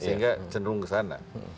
sehingga cenderung kesana